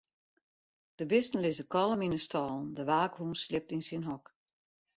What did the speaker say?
De bisten lizze kalm yn 'e stâlen, de waakhûn sliept yn syn hok.